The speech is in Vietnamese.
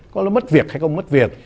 có mất việc hay không mất việc